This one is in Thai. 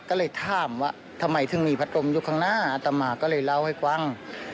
ก็เลยถามว่าทำไมถึงมีพัดลมอยู่ข้างหน้าอาตมาก็เลยเล่าให้ฟัง